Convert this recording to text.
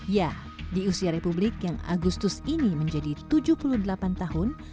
ya di usia republik yang agustus ini menjadi tujuh puluh delapan tahun